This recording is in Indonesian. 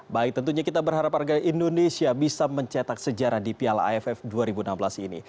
baik tentunya kita berharap harga indonesia bisa mencetak sejarah di piala aff dua ribu enam belas ini